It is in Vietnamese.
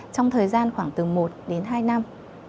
trong thời gian khoảng từ một đến hai năm